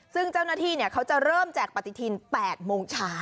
ซึ่งเจ้าหน้าที่เขาจะเริ่มแจกปฏิทิน๘โมงเช้า